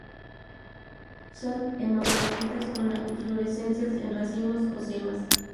Son hermafroditas con la inflorescencias en racimos o cimas.